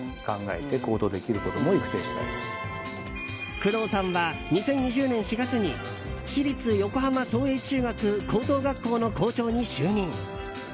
工藤さんは２０２０年４月に私立横浜創英中学・高等学校の校長に就任。